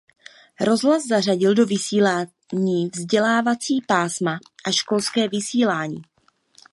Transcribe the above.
Rozhlas zařadil do vysílání vzdělávací pásma a školské vysílání.